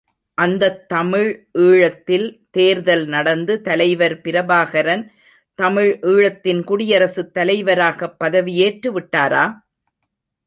அந்தத் தமிழ் ஈழத்தில் தேர்தல் நடந்து, தலைவர் பிரபாகரன் தமிழ் ஈழத்தின் குடியரசுத் தலைவராகப் பதவியேற்று விட்டாரா?